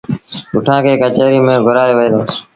پُٽآݩ کي ڪچهريٚ ميݩ گھُرآيو وهي دو